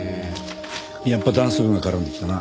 やっぱダンス部が絡んできたな。